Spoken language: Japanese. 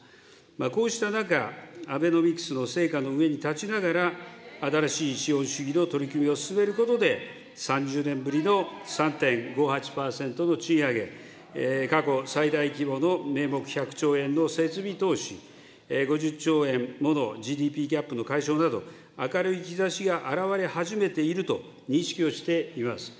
こうした中、アベノミクスの成果の上に立ちながら、新しい資本主義の取り組みを進めることで、３０年ぶりの３．５８％の賃上げ、過去最大規模の名目１００兆円の設備投資、５０兆円ものＧＤＰギャップの解消など、明るい兆しがあらわれ始めていると認識をしています。